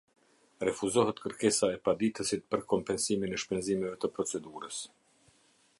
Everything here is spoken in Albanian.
Refuzohet kërkesa e paditësit për kompensimin e shpenzimeve të procedurës.